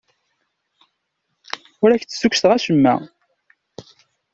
Ur ak-d-ssukkseɣ acemma.